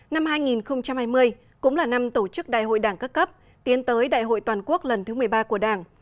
năm hai nghìn hai mươi cũng là năm tổ chức đại hội đảng các cấp tiến tới đại hội toàn quốc lần thứ một mươi ba của đảng